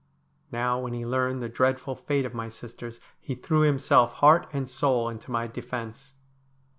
Now, when he learned the dreadful fate of my sisters, he threw himself heart and soul into my defence.